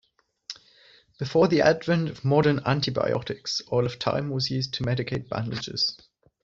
Before the advent of modern antibiotics, oil of thyme was used to medicate bandages.